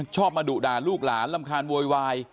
ชอบมาดุด่าลูกหลานรำคาญโวยวาย